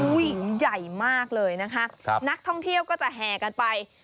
ใหญ่มากเลยนะคะนักท่องเที่ยวก็จะแห่กันไป